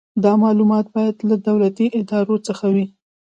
دا معلومات باید له دولتي ادارو څخه وي.